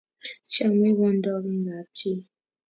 chamiet ko ndogin kap chii